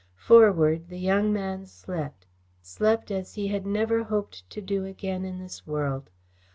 Forward the young man slept slept as he had never hoped to do again in this world.